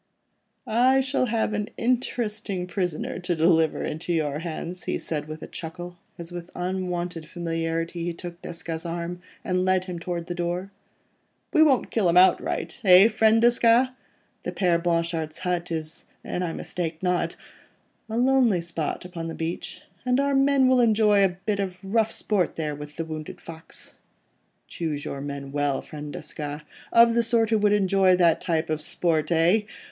"I shall have an interesting prisoner to deliver into your hands," he said with a chuckle, as with unwonted familiarity he took Desgas' arm, and led him towards the door. "We won't kill him outright, eh, friend Desgas? The Père Blanchard's hut is—an I mistake not—a lonely spot upon the beach, and our men will enjoy a bit of rough sport there with the wounded fox. Choose your men well, friend Desgas ... of the sort who would enjoy that type of sport—eh?